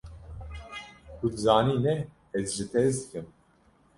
Tu dizanî ne, ez ji te hez dikim.